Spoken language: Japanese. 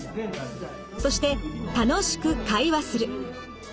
そして楽しく会話する。